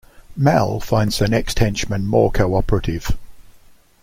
Mal finds the next henchman more cooperative.